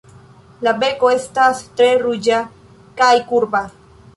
La beko estas tre ruĝa, kaj kurba.